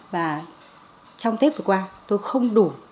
và trong tết vừa qua tôi không đủ